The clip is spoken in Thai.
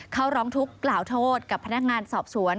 เข้าร้องทุกข์กล่าวโทษกับพนักงานสอบสวน